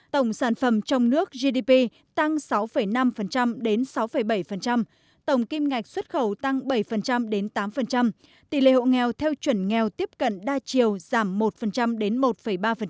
tổng sản phẩm trong nước gdp tăng sáu năm đến sáu bảy tổng kim ngạch xuất khẩu tăng bảy đến tám tỷ lệ hộ nghèo theo chuẩn nghèo tiếp cận đa chiều giảm một đến một ba